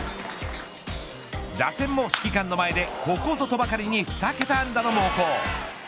打線も指揮官の前でここぞとばかりに２桁安打の猛攻。